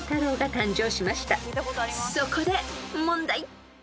［そこで問題］